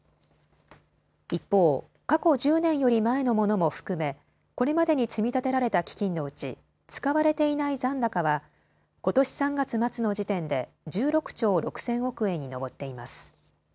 一方、過去１０年より前のものも含め、これまでに積み立てられた基金のうち使われていない残高はことし３月末の時点で１６兆６０００億円に上っています。